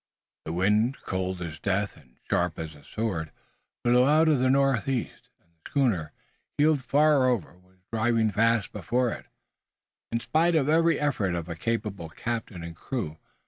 The wind, cold as death, and sharp as a sword, blew out of the northeast, and the schooner, heeled far over, was driving fast before it, in spite of every effort of a capable captain and crew.